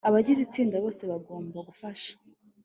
abagize itsinda bose bagomba gufasha